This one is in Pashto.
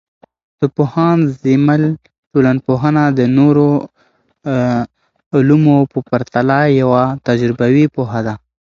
د پوهاند زیمل ټولنپوهنه د نورو علومو په پرتله یوه تجربوي پوهه ده.